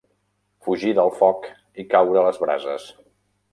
Fugir del foc i caure a les brases.